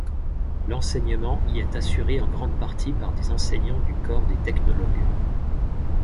L'enseignement y est assuré en grande partie par des enseignants du corps des technologues.